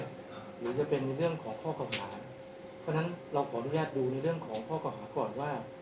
จะเป็นในเรื่องของข้อข่าวหาเพราะฉะนั้นเราขอดูแลดดูในเรื่องของข้อข่าวหาก่อนว่า